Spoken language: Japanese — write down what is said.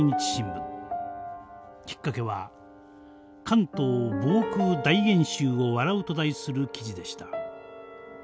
きっかけは「関東防空大演習を嗤う」と題する記事でした。